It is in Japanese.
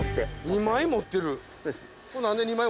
２枚持ってる。